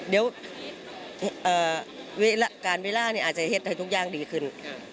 เดี๋ยวการเวลาอาจจะเห็ดให้ทุกอย่างดีขึ้น